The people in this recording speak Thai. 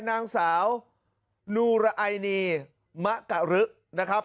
นางสาวนูระไอนีมะกะรึนะครับ